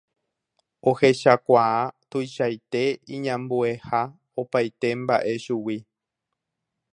ohechakuaa tuichaite iñambueha opaite mba'e chugui